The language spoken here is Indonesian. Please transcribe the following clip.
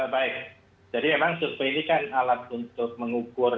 baik jadi memang survei ini kan alat untuk mengukur